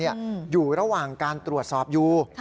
อยู่ระหว่างการตรวจสอบอยู่